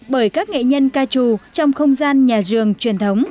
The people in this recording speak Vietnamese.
bởi các nghệ nhân ca trù trong không gian nhà giường truyền thống